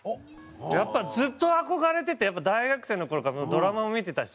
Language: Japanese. やっぱずっと憧れてて大学生の頃からドラマも見てたし。